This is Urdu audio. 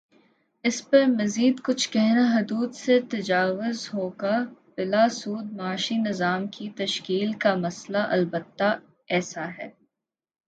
اس پر مزیدکچھ کہنا حدود سے تجاوز ہوگا بلاسود معاشی نظام کی تشکیل کا مسئلہ البتہ ایسا ہے۔